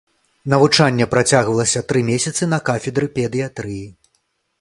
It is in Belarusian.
Навучанне працягвалася тры месяцы на кафедры педыятрыі.